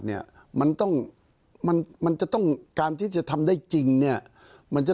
เนี่ยมันต้องมันมันจะต้องการที่จะทำได้จริงเนี่ยมันจะ